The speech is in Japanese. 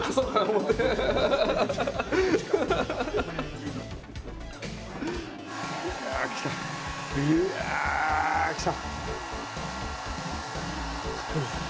うわきた。